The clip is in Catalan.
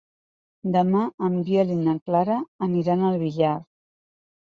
Demà en Biel i na Clara aniran al Villar.